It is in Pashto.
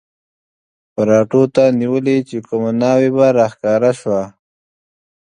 پراټو ته نیوله چې کومه ناوې به را ښکاره شوه.